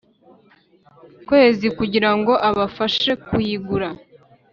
kwezi kugira ngo abafashe kuyigura